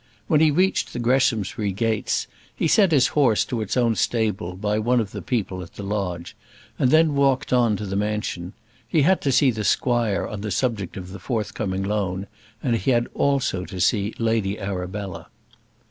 When he reached the Greshamsbury gates, he sent his horse to its own stable by one of the people at the lodge, and then walked on to the mansion. He had to see the squire on the subject of the forthcoming loan, and he had also to see Lady Arabella.